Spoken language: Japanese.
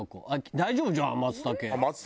大丈夫じゃん松茸。